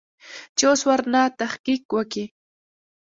چې اوس ورنه تحقيق وکې.